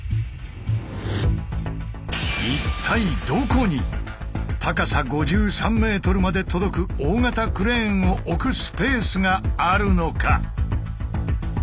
一体どこに高さ５３ｍまで届く大型クレーンを置くスペースがあるのか？